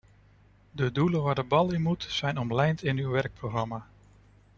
De doelen waar de bal in moet, zijn omlijnd in uw werkprogramma.